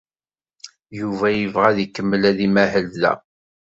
Yuba yebɣa ad ikemmel ad imahel da.